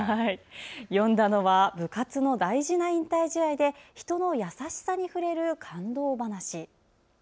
読んだのは部活の大事な引退試合で人の優しさに触れる感動話。